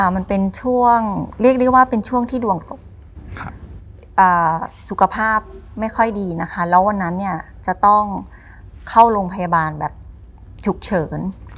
มันเป็นช่วงเรียกได้ว่าเป็นช่วงที่ดวงตกสุขภาพไม่ค่อยดีนะคะแล้ววันนั้นเนี่ยจะต้องเข้าโรงพยาบาลแบบฉุกเฉิน